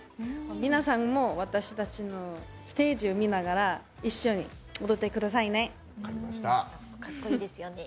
皆さんも私たちのステージを見ながら一緒に踊ってくださいね。